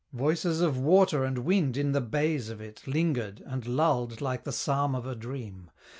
Voices of water and wind in the bays of it Lingered, and lulled like the psalm of a dream.